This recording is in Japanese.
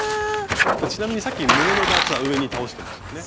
ちなみにさっき胸のダーツは上に倒してましたよね。